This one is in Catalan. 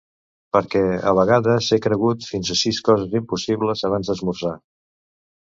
Per què, a vegades he cregut fins a sis coses impossibles abans d'esmorzar.